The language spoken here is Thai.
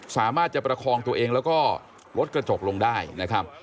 สามารถจะประคองตัวเองแล้วก็ลดกระจกลงได้นะครับ